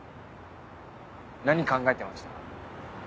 何考えてました？